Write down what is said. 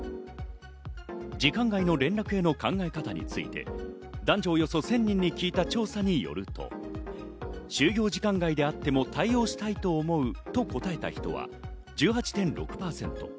時間外の連絡への考え方について、男女およそ１０００人に聞いた調査によると、就業時間外であっても対応したいと思うと答えた人は１８．６％。